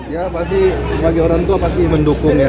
ya pasti bagi orang tua pasti mendukung ya